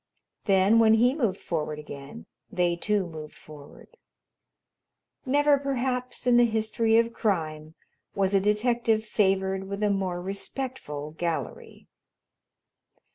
Then, when he moved forward again, they too moved forward. Never, perhaps, in the history of crime was a detective favored with a more respectful gallery.